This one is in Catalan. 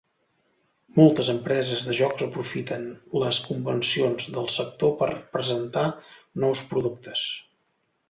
Moltes empreses de jocs aprofiten les convencions del sector per presentar nous productes.